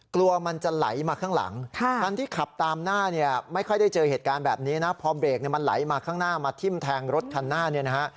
กลัวมันจะไหลมาข้างหลังคันที่ขับตามหน้าเนี่ยไม่ค่อยได้เจอเหตุการณ์แบบนี้นะพอเบรกมันไหลมาข้างหน้ามาทิ้มแทงรถคันหน้าเนี่ยนะฮะ